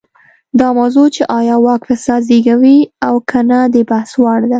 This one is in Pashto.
دا موضوع چې ایا واک فساد زېږوي او که نه د بحث وړ ده.